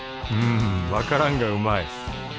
うんわからんがうまい。